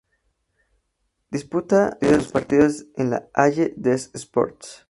Disputa sus partidos en la "Halle des sports".